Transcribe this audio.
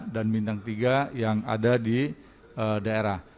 dan bintang tiga yang ada di daerah